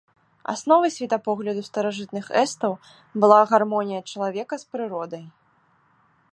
Асновай светапогляду старажытных эстаў была гармонія чалавека з прыродай.